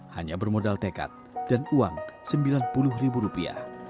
hanya bermodal tekad dan uang sembilan puluh ribu rupiah